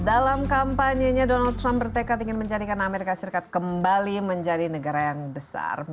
dalam kampanyenya donald trump bertekad ingin menjadikan amerika serikat kembali menjadi negara yang besar